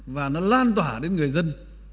và nó lan tỏa đến người dân